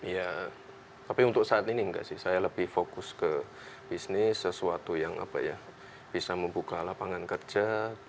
ya tapi untuk saat ini enggak sih saya lebih fokus ke bisnis sesuatu yang apa ya bisa membuka lapangan kerja